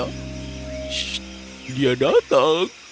shh dia datang